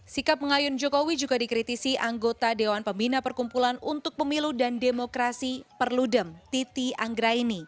sikap pengayun jokowi juga dikritisi anggota dewan pembina perkumpulan untuk pemilu dan demokrasi perludem titi anggraini